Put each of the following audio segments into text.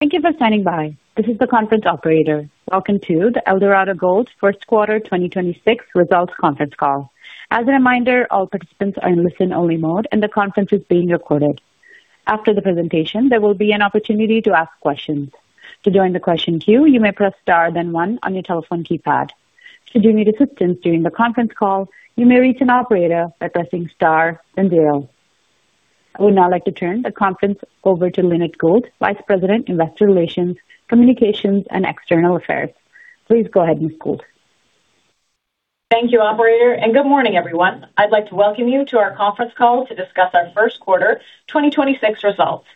Thank you for standing by. This is the conference operator. Welcome to the Eldorado Gold first quarter 2026 results conference call. As a reminder, all participants are in listen-only mode, and the conference is being recorded. After the presentation, there will be an opportunity to ask questions. To join the question queue, you may press star then one on your telephone keypad. Should you need assistance during the conference call, you may reach an operator by pressing star then zero. I would now like to turn the conference over to Lynette Gould, Vice President, Investor Relations, Communications, and External Affairs. Please go ahead, Ms. Gould. Thank you, operator, and good morning, everyone. I'd like to welcome you to our conference call to discuss our first quarter 2026 results.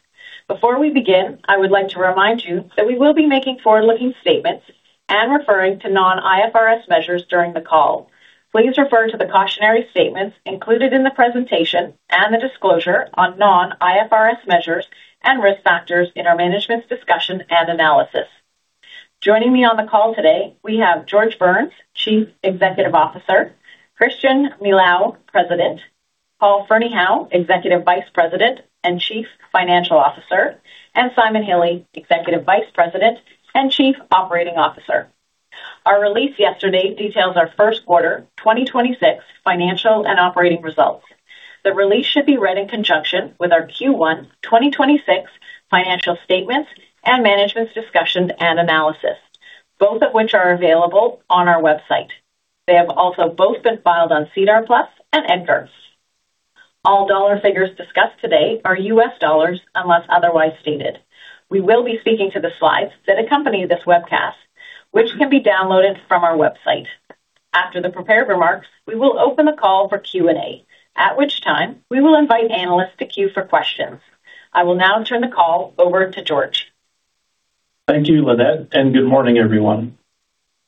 Before we begin, I would like to remind you that we will be making forward-looking statements and referring to non-IFRS measures during the call. Please refer to the cautionary statements included in the presentation and the disclosure on non-IFRS measures and risk factors in our management's discussion and analysis. Joining me on the call today, we have George Burns, Chief Executive Officer; Christian Milau, President; Paul Ferneyhough, Executive Vice President and Chief Financial Officer; and Simon Hille, Executive Vice President and Chief Operating Officer. Our release yesterday details our first quarter 2026 financial and operating results. The release should be read in conjunction with our Q1 2026 financial statements and management's discussion and analysis, both of which are available on our website. They have also both been filed on SEDAR+ and EDGAR. All dollar figures discussed today are U.S. dollars unless otherwise stated. We will be speaking to the slides that accompany this webcast, which can be downloaded from our website. After the prepared remarks, we will open the call for Q&A, at which time, we will invite analysts to queue for questions. I will now turn the call over to George. Thank you, Lynette, and good morning, everyone.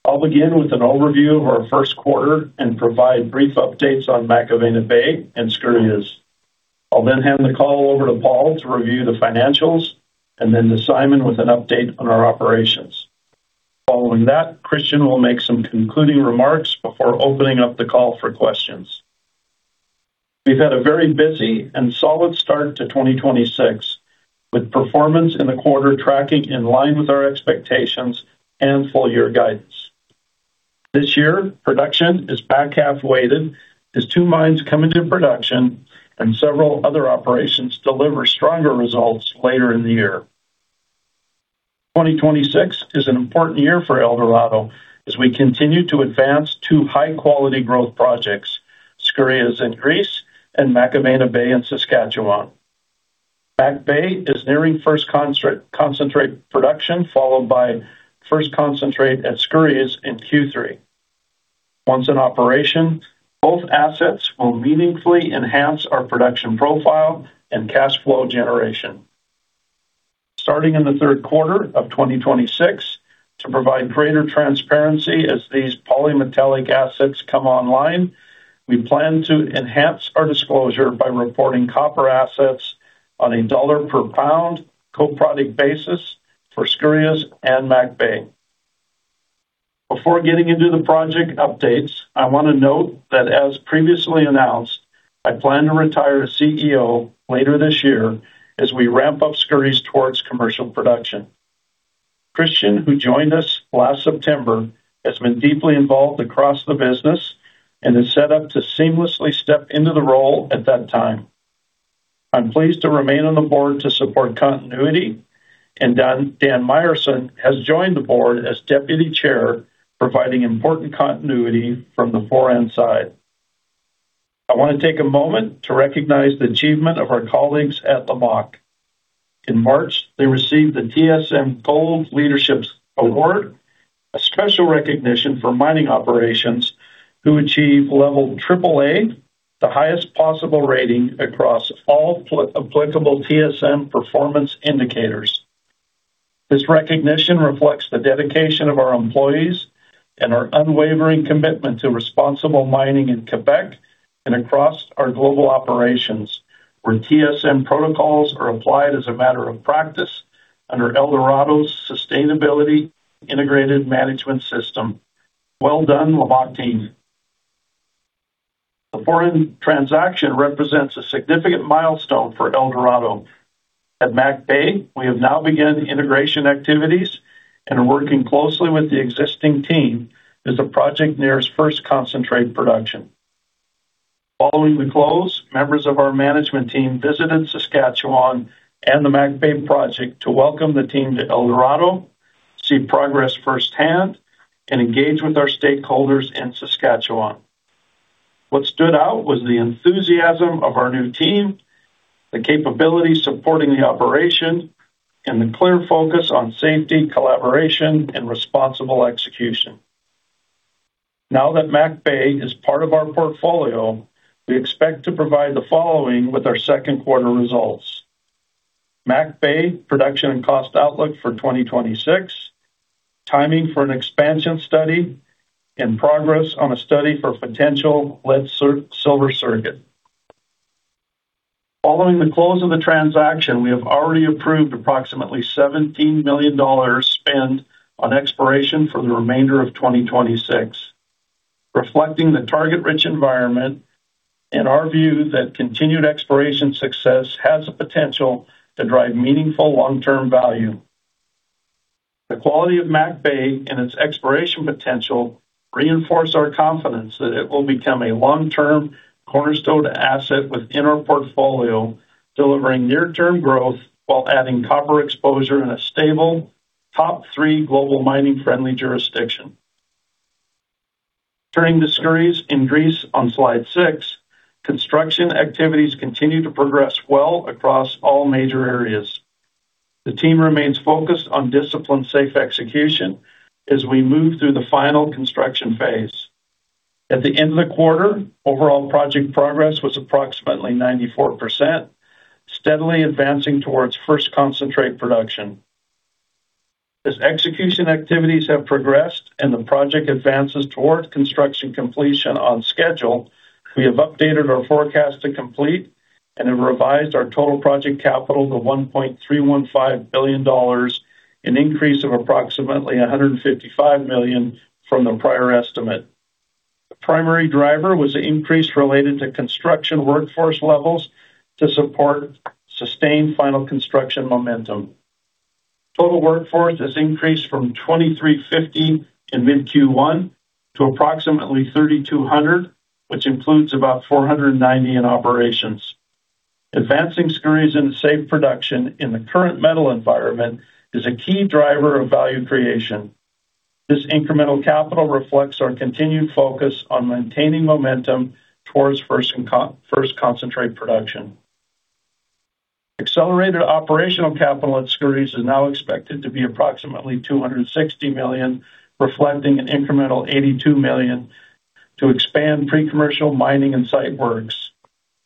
I'll begin with an overview of our first quarter and provide brief updates on McIlvenna Bay and Skouries. I'll then hand the call over to Paul to review the financials and then to Simon with an update on our operations. Following that, Christian will make some concluding remarks before opening up the call for questions. We've had a very busy and solid start to 2026, with performance in the quarter tracking in line with our expectations and full year guidance. This year, production is back half-weighted as two mines come into production and several other operations deliver stronger results later in the year. 2026 is an important year for Eldorado as we continue to advance two high-quality growth projects, Skouries in Greece and McIlvenna Bay in Saskatchewan. McIlvenna Bay is nearing first concentrate production, followed by first concentrate at Skouries in Q3. Once in operation, both assets will meaningfully enhance our production profile and cash flow generation. Starting in the third quarter of 2026, to provide greater transparency as these polymetallic assets come online, we plan to enhance our disclosure by reporting copper assets on a dollar per pound co-product basis for Skouries and McIlvenna Bay. Before getting into the project updates, I wanna note that as previously announced, I plan to retire as CEO later this year as we ramp up Skouries towards commercial production. Christian, who joined us last September, has been deeply involved across the business and is set up to seamlessly step into the role at that time. I'm pleased to remain on the board to support continuity, Dan Myerson has joined the board as Deputy Chair, providing important continuity from the Foran side. I wanna take a moment to recognize the achievement of our colleagues at Lamaque. In March, they received the TSM Gold Leadership Award, a special recognition for mining operations who achieve level AAA, the highest possible rating across all applicable TSM performance indicators. This recognition reflects the dedication of our employees and our unwavering commitment to responsible mining in Quebec and across our global operations, where TSM protocols are applied as a matter of practice under Eldorado's sustainability integrated management system. Well done, Lamaque team. The Foran transaction represents a significant milestone for Eldorado. At McIlvenna Bay, we have now begun integration activities and are working closely with the existing team as the project nears first concentrate production. Following the close, members of our management team visited Saskatchewan and the McIlvenna Bay project to welcome the team to Eldorado, see progress firsthand, and engage with our stakeholders in Saskatchewan. What stood out was the enthusiasm of our new team, the capability supporting the operation, and the clear focus on safety, collaboration, and responsible execution. Now that McIlvenna Bay is part of our portfolio, we expect to provide the following with our second quarter results. McIlvenna Bay production and cost outlook for 2026, timing for an expansion study, and progress on a study for potential lead-silver circuit. Following the close of the transaction, we have already approved approximately $17 million spend on exploration for the remainder of 2026. Reflecting the target-rich environment and our view that continued exploration success has the potential to drive meaningful long-term value. The quality of McIlvenna Bay and its exploration potential reinforce our confidence that it will become a long-term cornerstone asset within our portfolio, delivering near-term growth while adding copper exposure in a stable top three global mining-friendly jurisdiction. Turning to Skouries in Greece on slide six, construction activities continue to progress well across all major areas. The team remains focused on disciplined, safe execution as we move through the final construction phase. At the end of the quarter, overall project progress was approximately 94%, steadily advancing towards first concentrate production. As execution activities have progressed and the project advances toward construction completion on schedule, we have updated our forecast to complete and have revised our total project capital to $1.315 billion, an increase of approximately $155 million from the prior estimate. The primary driver was the increase related to construction workforce levels to support sustained final construction momentum. Total workforce has increased from 2,350 in mid-Q1 to approximately 3,200, which includes about 490 in operations. Advancing Skouries into safe production in the current metal environment is a key driver of value creation. This incremental capital reflects our continued focus on maintaining momentum towards first concentrate production. Accelerated operational capital at Skouries is now expected to be approximately $260 million, reflecting an incremental $82 million to expand pre-commercial mining and site works.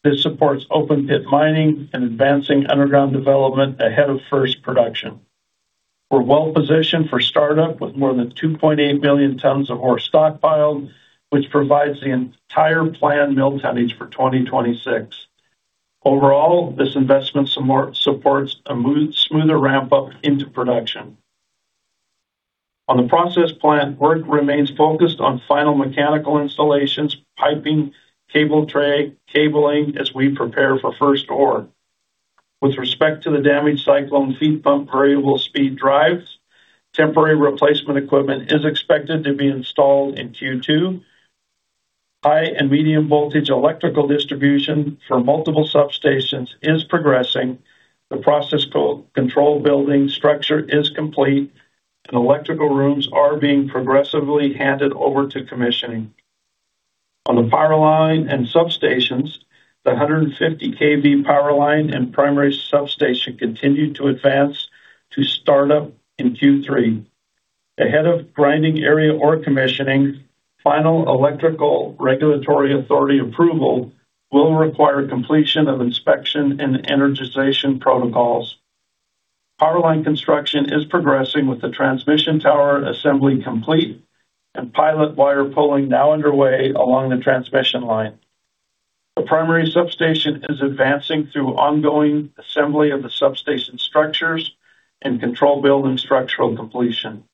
This supports open-pit mining and advancing underground development ahead of first production. We're well-positioned for startup with more than 2.8 million tons of ore stockpiled, which provides the entire planned mill tonnage for 2026. Overall, this investment supports a smoother ramp-up into production. On the process plant, work remains focused on final mechanical installations, piping, cable tray, cabling as we prepare for first ore. With respect to the damaged cyclone feed pump variable speed drives, temporary replacement equipment is expected to be installed in Q2. High and medium voltage electrical distribution for multiple substations is. The process co-control building structure is complete, and electrical rooms are being progressively handed over to commissioning. On the power line and substations, the 150 KV power line and primary substation continue to advance to start-up in Q3. Ahead of grinding area ore commissioning, final electrical regulatory authority approval will require completion of inspection and energization protocols. Power line construction is progressing with the transmission tower assembly complete and pilot wire pulling now underway along the transmission line. The primary substation is advancing through ongoing assembly of the substation structures and control building structural completion.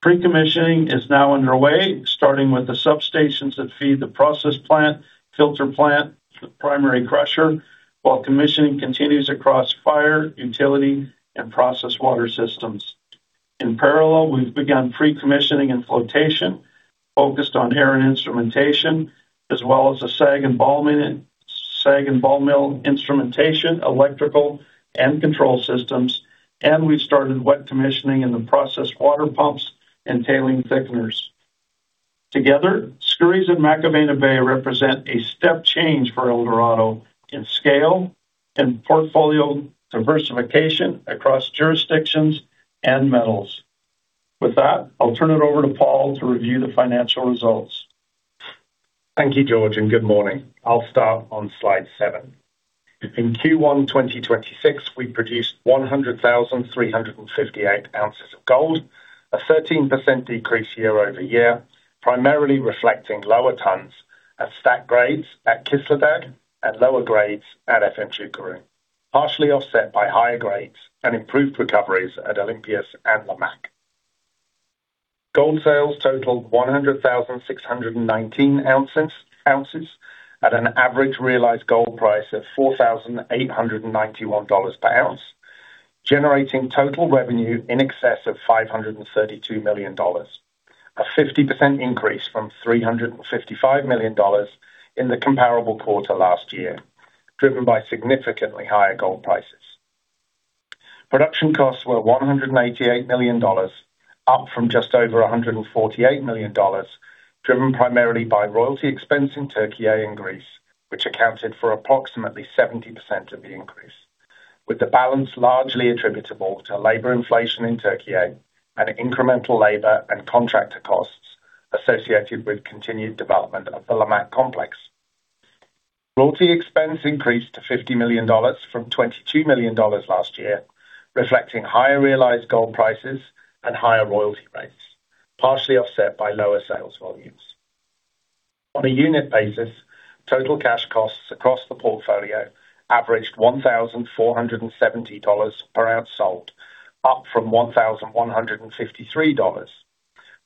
Pre-commissioning is now underway, starting with the substations that feed the process plant, filter plant, the primary crusher, while commissioning continues across fire, utility, and process water systems. In parallel, we've begun pre-commissioning and flotation, focused on air and instrumentation, as well as the sag and ball mill instrumentation, electrical, and control systems. We've started wet commissioning in the process water pumps and tailing thickeners. Together, Skouries and McIlvenna Bay represent a step change for Eldorado in scale, in portfolio diversification across jurisdictions and metals. With that, I'll turn it over to Paul to review the financial results. Thank you, George. Good morning. I'll start on slide seven. In Q1 2026, we produced 100,358 ounces of gold, a 13% decrease year-over-year, primarily reflecting lower tons at stack grades at Kışladağ and lower grades at Efemçukuru, partially offset by higher grades and improved recoveries at Olympias and Lamaque. Gold sales totaled 100,619 ounces at an average realized gold price of $4,891 per ounce, generating total revenue in excess of $532 million, a 50% increase from $355 million in the comparable quarter last year, driven by significantly higher gold prices. Production costs were $188 million, up from just over $148 million, driven primarily by royalty expense in Türkiye and Greece, which accounted for approximately 70% of the increase, with the balance largely attributable to labor inflation in Türkiye and incremental labor and contractor costs associated with continued development of the Lamaque complex. Royalty expense increased to $50 million from $22 million last year, reflecting higher realized gold prices and higher royalty rates, partially offset by lower sales volumes. On a unit basis, total cash costs across the portfolio averaged $1,470 per ounce sold, up from $1,153,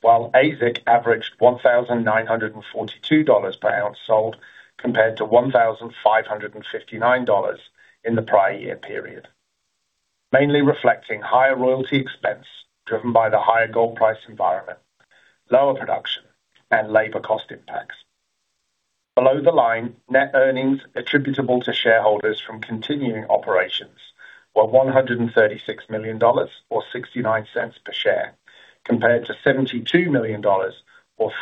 while AISC averaged $1,942 per ounce sold compared to $1,559 in the prior year period. Mainly reflecting higher royalty expense driven by the higher gold price environment, lower production and labor cost impacts. Below the line, net earnings attributable to shareholders from continuing operations were $136 million or $0.69 per share, compared to $72 million or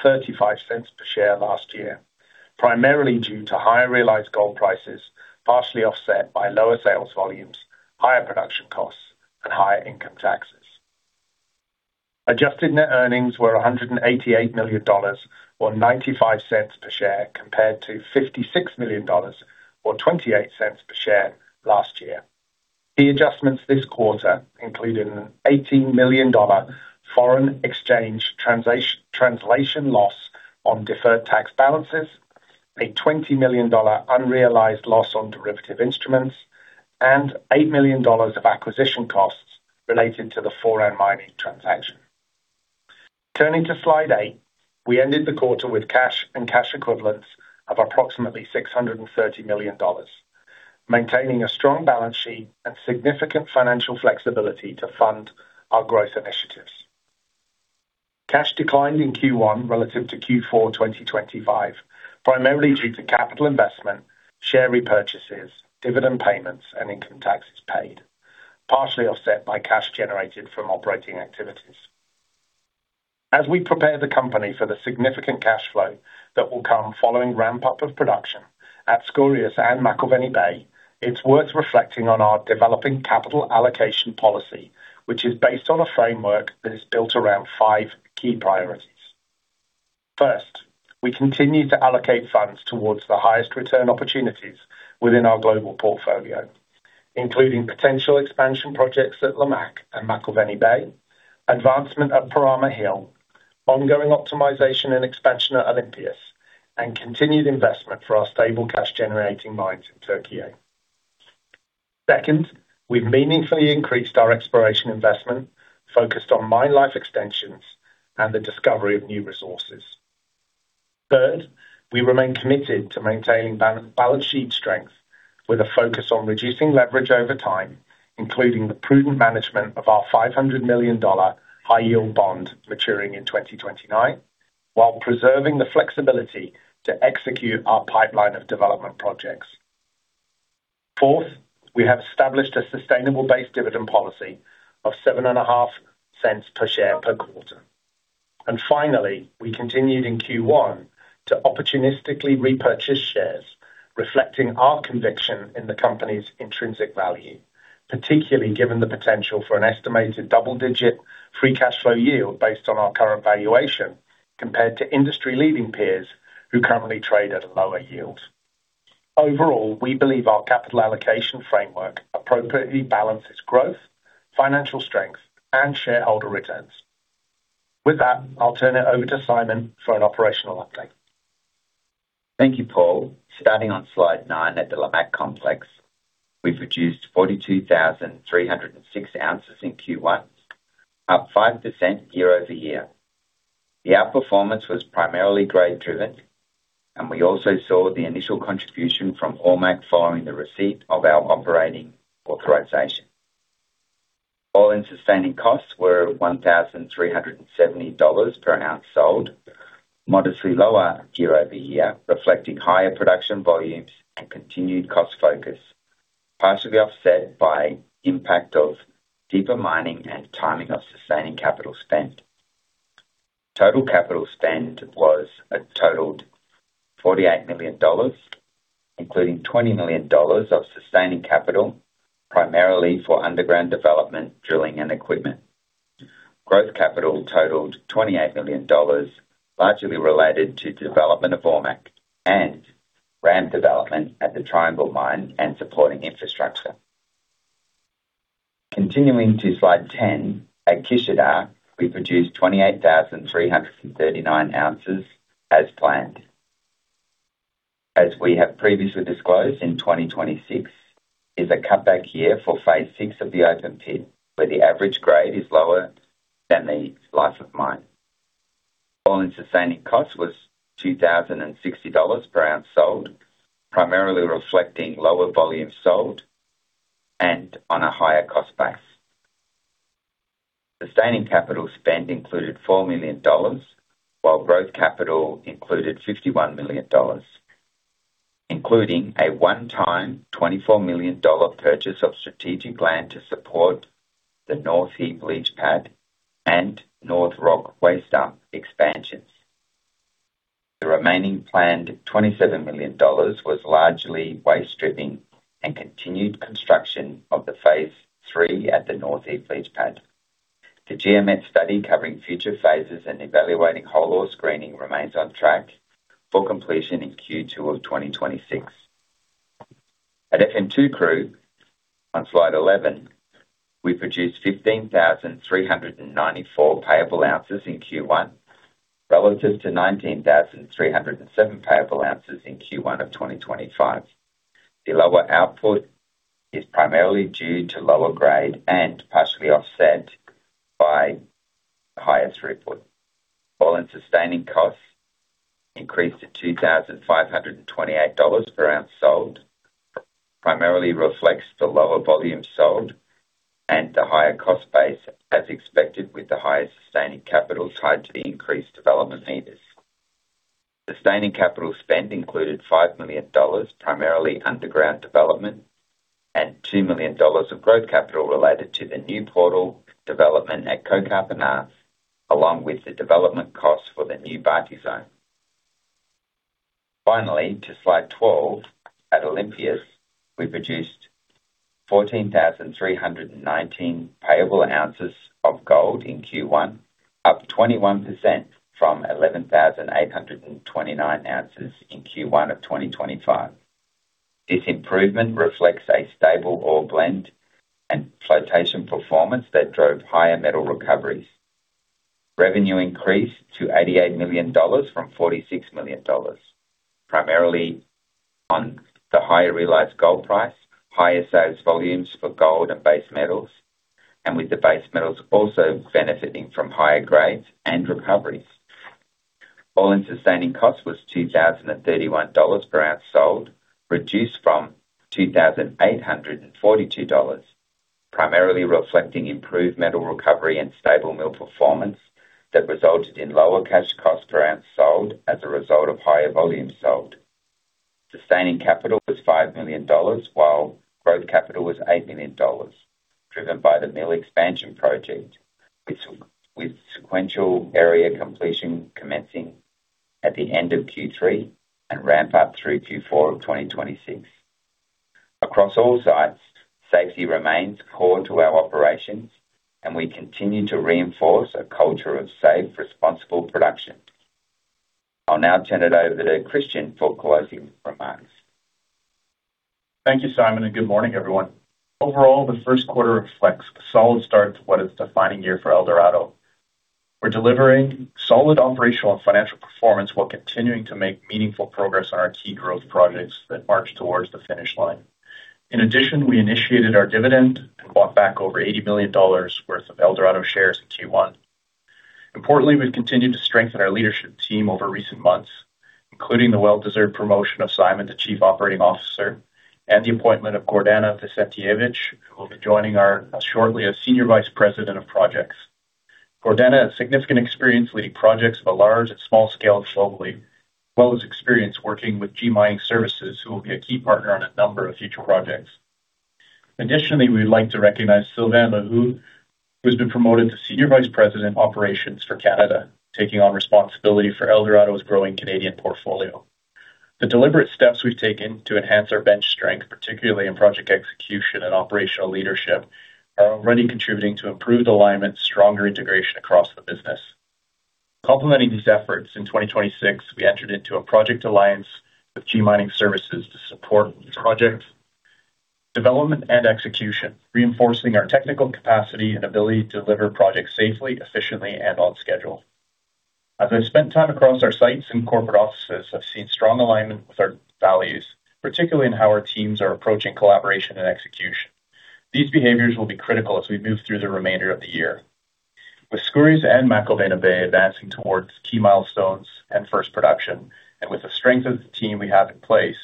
$0.35 per share last year, primarily due to higher realized gold prices, partially offset by lower sales volumes, higher production costs and higher income taxes. Adjusted net earnings were $188 million or $0.95 per share compared to $56 million or $0.28 per share last year. The adjustments this quarter included an $80 million foreign exchange translation loss on deferred tax balances, a $20 million unrealized loss on derivative instruments, and $8 million of acquisition costs related to the Foran Mining transaction. Turning to slide eight. We ended the quarter with cash and cash equivalents of approximately $630 million, maintaining a strong balance sheet and significant financial flexibility to fund our growth initiatives. Cash declined in Q1 relative to Q4 2025, primarily due to capital investment, share repurchases, dividend payments and income taxes paid, partially offset by cash generated from operating activities. As we prepare the company for the significant cash flow that will come following ramp-up of production at Skouries and McIlvenna Bay, it's worth reflecting on our developing capital allocation policy, which is based on a framework that is built around five key priorities. First, we continue to allocate funds towards the highest return opportunities within our global portfolio, including potential expansion projects at Lamaque and McIlvenna Bay, advancement at Perama Hill, ongoing optimization and expansion at Olympias, and continued investment for our stable cash generating mines in Türkiye. Second, we've meaningfully increased our exploration investment focused on mine life extensions and the discovery of new resources. Third, we remain committed to maintaining balance sheet strength with a focus on reducing leverage over time, including the prudent management of our $500 million high yield bond maturing in 2029, while preserving the flexibility to execute our pipeline of development projects. Fourth, we have established a sustainable base dividend policy of $0.075 per share per quarter. Finally, we continued in Q1 to opportunistically repurchase shares, reflecting our conviction in the company's intrinsic value, particularly given the potential for an estimated double-digit free cash flow yield based on our current valuation compared to industry leading peers who currently trade at a lower yield. Overall, we believe our capital allocation framework appropriately balances growth, financial strength and shareholder returns. With that, I'll turn it over to Simon for an operational update. Thank you, Paul. Starting on slide nine at the Lamaque Complex. We've reduced 42,306 ounces in Q1, up 5% year-over-year. The outperformance was primarily grade driven. We also saw the initial contribution from Ormaque following the receipt of our operating authorization. All-in sustaining costs were $1,370 per ounce sold, modestly lower year-over-year, reflecting higher production volumes and continued cost focus, partially offset by impact of deeper mining and timing of sustaining capital spend. Total capital spend totaled $48 million, including $20 million of sustaining capital, primarily for underground development, drilling and equipment. Growth capital totaled $28 million, largely related to development of Ormaque and ramp development at the Triangle Mine and supporting infrastructure. Continuing to slide 10. At Kışladağ, we produced 28,339 ounces as planned. As we have previously disclosed, in 2026 is a cutback year for phase VI of the open pit, where the average grade is lower than the life of mine. All-in sustaining cost was $2,060 per ounce sold, primarily reflecting lower volumes sold and on a higher cost base. Sustaining capital spend included $4 million, while growth capital included $61 million, including a one-time $24 million purchase of strategic land to support the North Heap leach pad and North Rock waste dump expansions. The remaining planned $27 million was largely waste stripping and continued construction of the phase III at the North Heap leach pad. The geometallurgical study, covering future phases and evaluating whole or screening, remains on track for completion in Q2 of 2026. At Efemçukuru, on slide 11, we produced 15,394 payable ounces in Q1 relative to 19,307 payable ounces in Q1 of 2025. The lower output is primarily due to lower grade and partially offset by higher throughput. All-in sustaining costs increased to $2,528 per ounce sold. Primarily reflects the lower volume sold and the higher cost base as expected with the higher sustaining capital tied to the increased development needs. Sustaining capital spend included $5 million, primarily underground development, and $2 million of growth capital related to the new portal development at Kokapina, along with the development costs for the new Bartizane. Finally, to slide 12, at Olympias, we produced 14,319 payable ounces of gold in Q1, up 21% from 11,829 ounces in Q1 of 2025. This improvement reflects a stable ore blend and flotation performance that drove higher metal recoveries. Revenue increased to $88 million from $46 million, primarily on the higher realized gold price, higher sales volumes for gold and base metals, and with the base metals also benefiting from higher grades and recoveries. All-in Sustaining Cost was $2,031 per ounce sold, reduced from $2,842, primarily reflecting improved metal recovery and stable mill performance that resulted in lower cash cost per ounce sold as a result of higher volume sold. Sustaining capital was $5 million, while growth capital was $8 million, driven by the mill expansion project with sequential area completion commencing at the end of Q3 and ramp up through Q4 of 2026. Across all sites, safety remains core to our operations, and we continue to reinforce a culture of safe, responsible production. I'll now turn it over to Christian for closing remarks. Thank you, Simon. Good morning, everyone. Overall, the first quarter reflects a solid start to what is a defining year for Eldorado. We're delivering solid operational and financial performance while continuing to make meaningful progress on our key growth projects that march towards the finish line. In addition, we initiated our dividend and bought back over $80 million worth of Eldorado shares in Q1. Importantly, we've continued to strengthen our leadership team over recent months, including the well-deserved promotion of Simon to Chief Operating Officer and the appointment of Gordana Vicentijevic, who will be joining us shortly as Senior Vice President of Projects. Gordana has significant experience leading projects of a large and small scale globally, as well as experience working with G Mining Services, who will be a key partner on a number of future projects. Additionally, we'd like to recognize Sylvain Lehoux, who's been promoted to senior vice president, operations for Canada, taking on responsibility for Eldorado's growing Canadian portfolio. The deliberate steps we've taken to enhance our bench strength, particularly in project execution and operational leadership, are already contributing to improved alignment, stronger integration across the business. Complementing these efforts, in 2026, we entered into a project alliance with G Mining Services to support project development and execution, reinforcing our technical capacity and ability to deliver projects safely, efficiently, and on schedule. As I've spent time across our sites and corporate offices, I've seen strong alignment with our values, particularly in how our teams are approaching collaboration and execution. These behaviors will be critical as we move through the remainder of the year. With Skouries and McIlvenna Bay advancing towards key milestones and first production, with the strength of the team we have in place,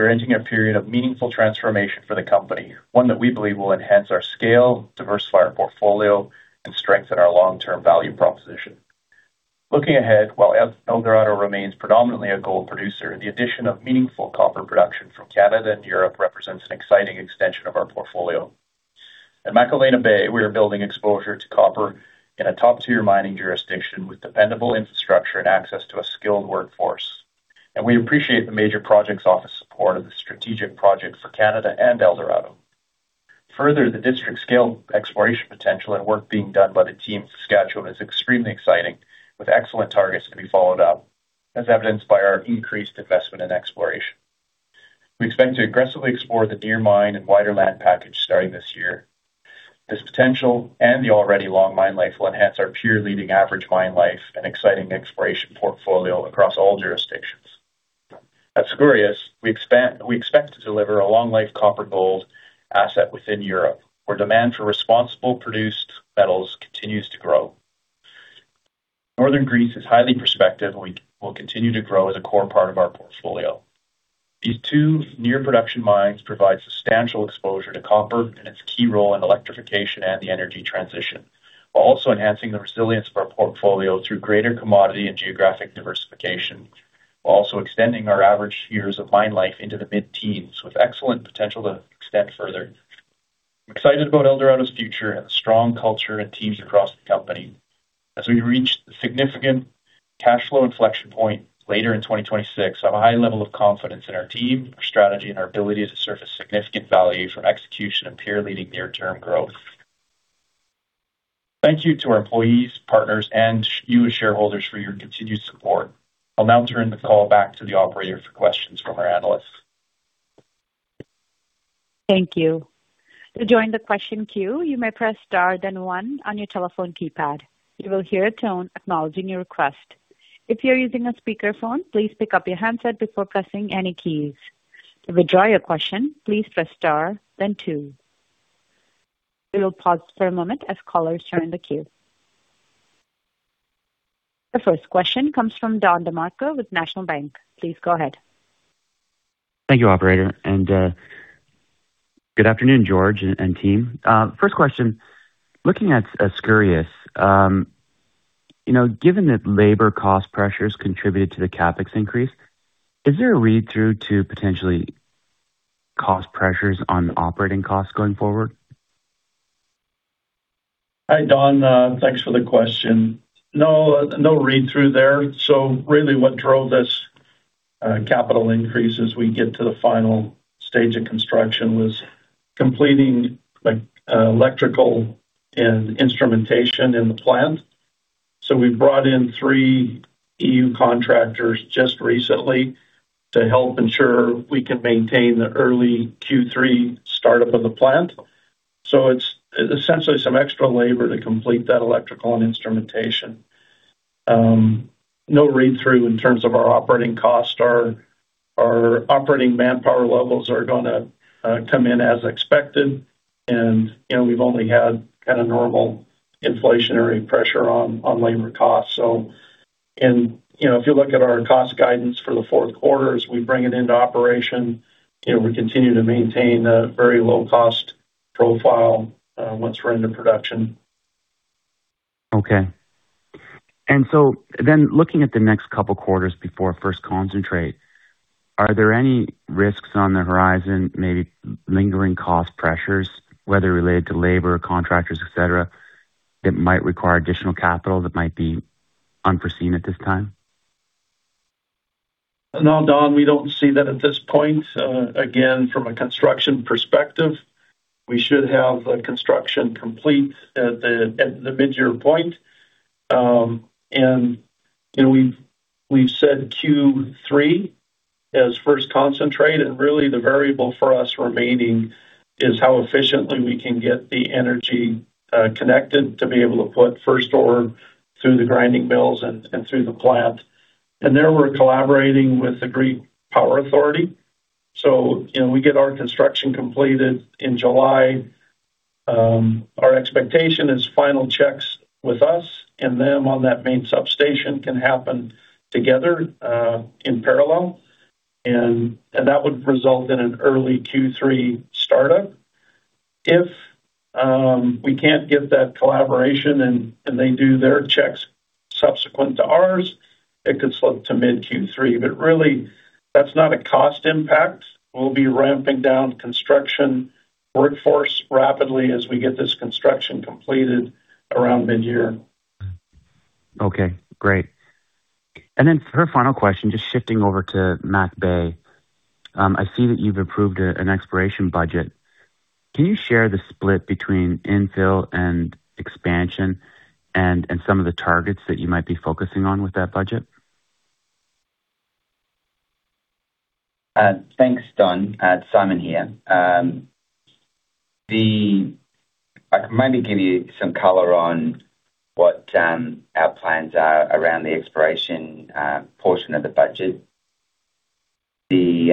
we're entering a period of meaningful transformation for the company, one that we believe will enhance our scale, diversify our portfolio, and strengthen our long-term value proposition. Looking ahead, while Eldorado remains predominantly a gold producer, the addition of meaningful copper production from Canada and Europe represents an exciting extension of our portfolio. At McIlvenna Bay, we are building exposure to copper in a top-tier mining jurisdiction with dependable infrastructure and access to a skilled workforce, we appreciate the Major Projects office support of the strategic project for Canada and Eldorado. Further, the district-scale exploration potential and work being done by the team in Saskatchewan is extremely exciting, with excellent targets to be followed up, as evidenced by our increased investment in exploration. We expect to aggressively explore the near mine and wider land package starting this year. This potential and the already long mine life will enhance our peer-leading average mine life and exciting exploration portfolio across all jurisdictions. At Skouries, we expect to deliver a long life copper gold asset within Europe, where demand for responsibly produced metals continues to grow. Northern Greece is highly prospective. We will continue to grow as a core part of our portfolio. These two near production mines provide substantial exposure to copper and its key role in electrification and the energy transition, while also enhancing the resilience of our portfolio through greater commodity and geographic diversification, while also extending our average years of mine life into the mid-teens with excellent potential to extend further. I'm excited about Eldorado's future and the strong culture and teams across the company. As we reach the significant cash flow inflection point later in 2026, I have a high level of confidence in our team, our strategy, and our ability to surface significant value from execution and peer-leading near-term growth. Thank you to our employees, partners, and you as shareholders for your continued support. I'll now turn the call back to the operator for questions from our analysts. Thank you. To join the question queue, you may press star then one on your telephone keypad. You will hear a tone acknowledging your request. If you're using a speakerphone, please pick up your handset before pressing any keys. To withdraw your question, please press star then two. We will pause for a moment as callers join the queue. The first question comes from Don DeMarco with National Bank. Please go ahead. Thank you, operator. Good afternoon, George and team. First question, looking at Skouries, you know, given that labor cost pressures contributed to the CapEx increase, is there a read-through to potentially cost pressures on operating costs going forward? Hi, Don. Thanks for the question. No, no read-through there. Really what drove this capital increase as we get to the final stage of construction was completing the electrical and instrumentation in the plant. We brought in three EU contractors just recently to help ensure we can maintain the early Q3 startup of the plant. It's essentially some extra labor to complete that electrical and instrumentation. No read-through in terms of our operating costs. Our operating manpower levels are gonna come in as expected. You know, we've only had kinda normal inflationary pressure on labor costs. You know, if you look at our cost guidance for the fourth quarter, as we bring it into operation, you know, we continue to maintain a very low cost profile once we're into production. Okay. Looking at the next two quarters before first concentrate, are there any risks on the horizon, maybe lingering cost pressures, whether related to labor, contractors, et cetera, that might require additional capital that might be unforeseen at this time? No, Don, we don't see that at this point. Again, from a construction perspective, we should have the construction complete at the mid-year point. You know, we've said Q3 as first concentrate, really the variable for us remaining is how efficiently we can get the energy connected to be able to put first ore through the grinding mills and through the plant. There we're collaborating with the Public Power Corporation. You know, we get our construction completed in July. Our expectation is final checks with us and them on that main substation can happen together in parallel. That would result in an early Q3 startup. If we can't get that collaboration and they do their checks subsequent to ours, it could slip to mid Q3. Really that's not a cost impact. We'll be ramping down construction workforce rapidly as we get this construction completed around mid-year. Okay, great. For a final question, just shifting over to McIlvenna Bay. I see that you've approved an exploration budget. Can you share the split between infill and expansion and some of the targets that you might be focusing on with that budget? Thanks, Don. It's Simon here. I can maybe give you some color on what our plans are around the exploration portion of the budget. The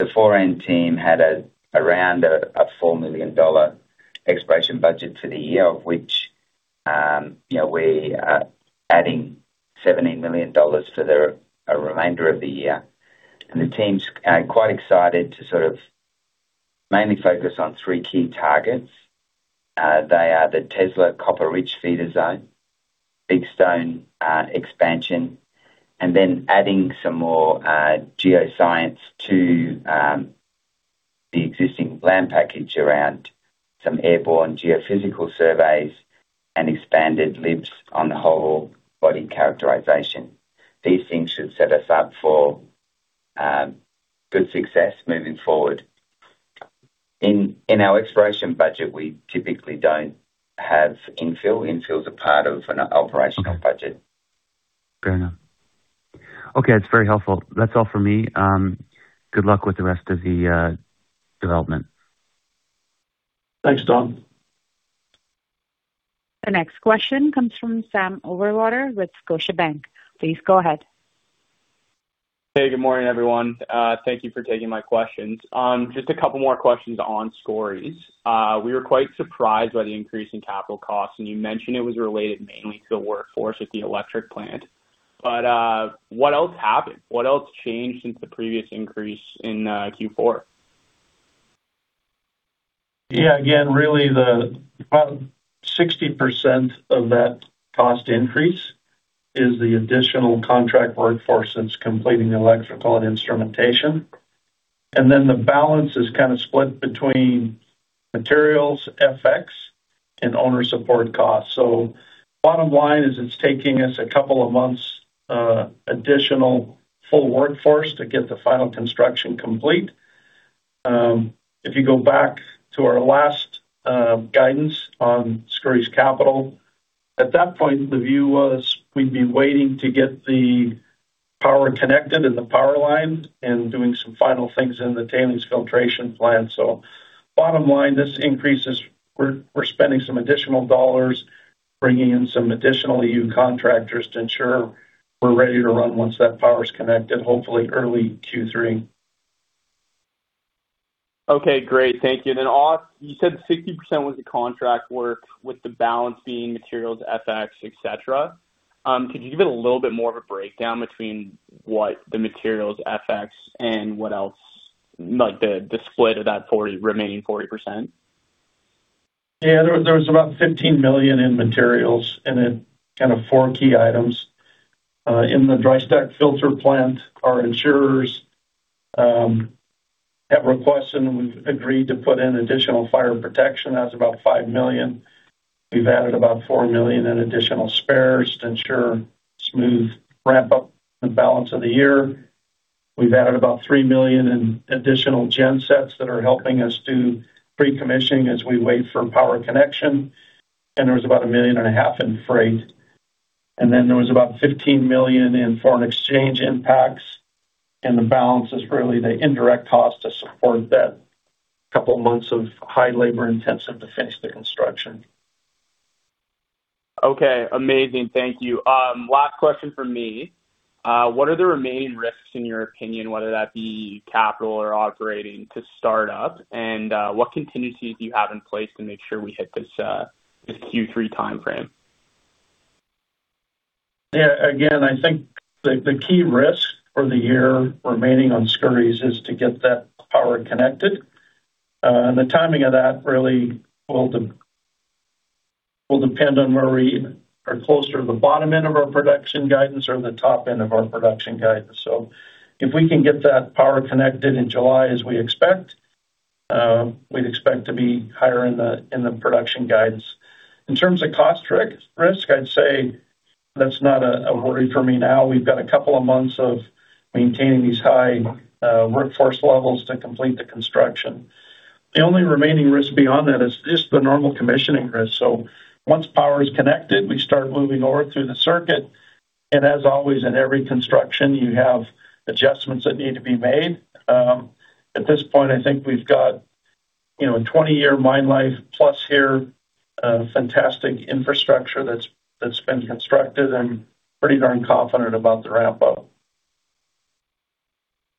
Foran team had around a $4 million exploration budget for the year, of which, you know, we are adding $70 million for the remainder of the year. The teams are quite excited to sort of mainly focus on three key targets. They are the Tesla copper-rich feeder zone, Big Stone, expansion, and then adding some more geoscience to the existing land package around some airborne geophysical surveys and expanded LIBS on the whole body characterization. These things should set us up for good success moving forward. In our exploration budget, we typically don't have infill. Infill is a part of an operational budget. Okay. Fair enough. Okay. It's very helpful. That's all for me. Good luck with the rest of the development. Thanks, Don. The next question comes from Sam Overwater with Scotiabank. Please go ahead. Hey, good morning, everyone. Thank you for taking my questions. Just a couple more questions on Skouries. We were quite surprised by the increase in capital costs, and you mentioned it was related mainly to the workforce at the electric plant. What else happened? What else changed since the previous increase in Q4? Yeah. Again, really the 60% of that cost increase is the additional contract workforce that's completing the electrical and instrumentation. The balance is kinda split between materials, FX, and owner support costs. Bottom line is it's taking us a couple of months, additional full workforce to get the final construction complete. If you go back to our last guidance on Skouries capital, at that point, the view was we'd be waiting to get the power connected and the power line and doing some final things in the tailings filtration plant. Bottom line, we're spending some additional dollars, bringing in some additional EU contractors to ensure we're ready to run once that power's connected, hopefully early Q3. Okay, great. Thank you. Off, you said 60% was the contract work with the balance being materials, FX, et cetera. Could you give it a little bit more of a breakdown between what the materials, FX and what else, like the split of that 40%, remaining 40%? Yeah. There was about $15 million in materials, then four key items. In the dry stack filter plant, our insurers have requested and we've agreed to put in additional fire protection. That's about $5 million. We've added about $4 million in additional spares to ensure smooth ramp up the balance of the year. We've added about $3 million in additional gen sets that are helping us do pre-commissioning as we wait for power connection. There was about $1.5 million in freight. Then there was about $15 million in foreign exchange impacts, and the balance is really the indirect cost to support that two months of high labor-intensive to finish the construction. Okay, amazing. Thank you. Last question from me. What are the remaining risks, in your opinion, whether that be capital or operating to startup? What contingencies do you have in place to make sure we hit this Q3 timeframe? Yeah, again, I think the key risk for the year remaining on Skouries is to get that power connected. The timing of that really will depend on where we are closer to the bottom end of our production guidance or the top end of our production guidance. If we can get that power connected in July as we expect, we'd expect to be higher in the production guidance. In terms of cost risk, I'd say that's not a worry for me now. We've got a couple of months of maintaining these high workforce levels to complete the construction. The only remaining risk beyond that is just the normal commissioning risks. Once power is connected, we start moving over through the circuit. As always, in every construction, you have adjustments that need to be made. At this point, I think we've got, you know, a 20-year mine life plus here, fantastic infrastructure that's been constructed and pretty darn confident about the ramp up.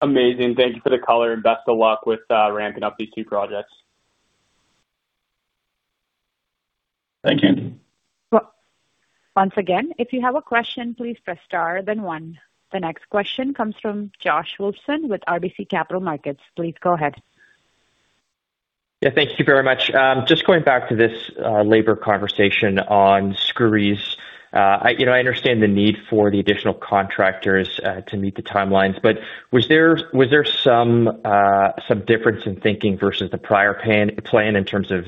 Amazing. Thank you for the color, and best of luck with ramping up these two projects. Thank you The next question comes from Josh Wolfson with RBC Capital Markets. Please go ahead. Yeah, thank you very much. Just going back to this labor conversation on Skouries, I, you know, I understand the need for the additional contractors to meet the timelines, but was there some difference in thinking versus the prior plan in terms of,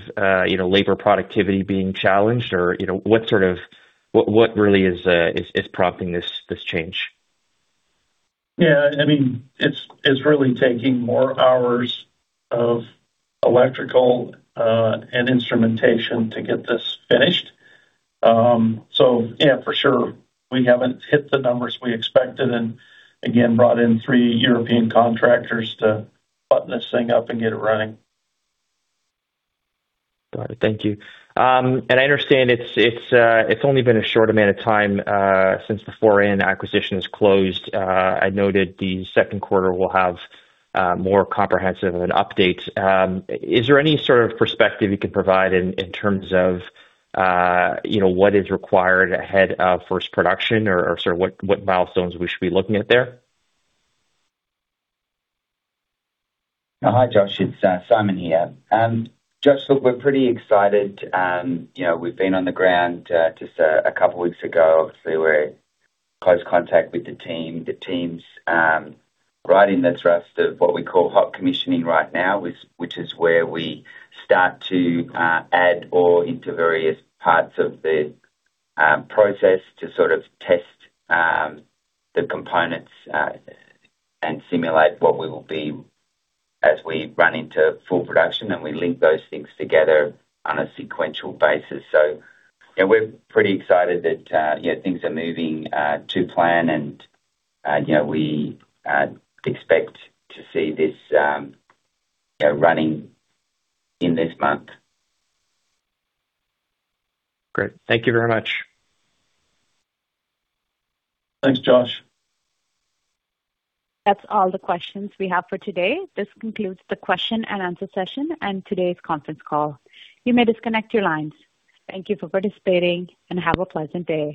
you know, labor productivity being challenged or, you know, what sort of, what really is prompting this change? Yeah, I mean, it's really taking more hours of electrical and instrumentation to get this finished. Yeah, for sure we haven't hit the numbers we expected and again, brought in three European contractors to button this thing up and get it running. Got it. Thank you. I understand it's only been a short amount of time, since the Foran acquisition has closed. I noted the second quarter will have more comprehensive of an update. Is there any sort of perspective you can provide in terms of, you know, what is required ahead of first production or sort of what milestones we should be looking at there? Hi, Josh. It's Simon here. Josh, look, we're pretty excited. You know, we've been on the ground just a couple weeks ago. Obviously, we're close contact with the team. The team's right in the thrust of what we call hot commissioning right now, which is where we start to add ore into various parts of the process to sort of test the components and simulate what we will be as we run into full production and we link those things together on a sequential basis. Yeah, we're pretty excited that you know, things are moving to plan and you know, we expect to see this you know, running in this month. Great. Thank you very much. Thanks, Josh. That's all the questions we have for today. This concludes the question and answer session and today's conference call. You may disconnect your lines. Thank you for participating and have a pleasant day.